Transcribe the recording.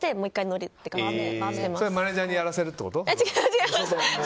それをマネジャーにやらせるってこと？